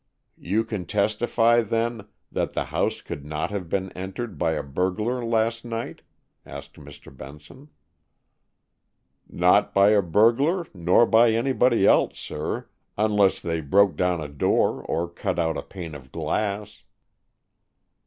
"You can testify, then, that the house could not have been entered by a burglar last night?" asked Mr. Benson. "Not by a burglar, nor by nobody else, sir, unless they broke down a door or cut out a pane of glass."